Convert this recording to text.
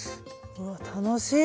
うわ楽しい！